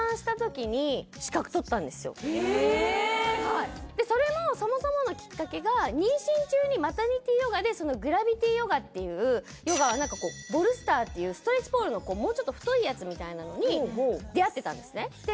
へえそれもそもそものきっかけが妊娠中にマタニティーヨガでグラヴィティヨガっていうヨガは何かこうボルスターっていうストレッチポールのもうちょっと太いやつみたいなのに出会ってたんですねで